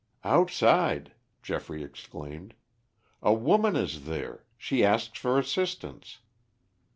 "Outside," Geoffrey exclaimed. "A woman is there. She asks for assistance.